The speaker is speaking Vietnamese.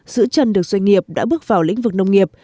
giữ chân được doanh nghiệp đã bước vào lĩnh vực nông nghiệp